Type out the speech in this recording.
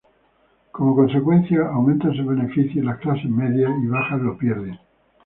Como consecuencia, aumentan sus beneficios y las clases medias y bajas lo pierden.